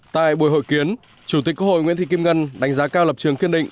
tại buổi hội kiến chủ tịch quốc hội nguyễn thị kim ngân đánh giá cao lập trường kiên định